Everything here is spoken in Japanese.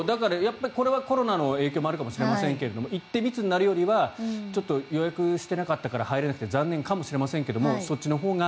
これはコロナの影響もあるかもしれませんが行って密になるよりはちょっと予約していなかったから入れなくて残念かもしれませんがそっちのほうが。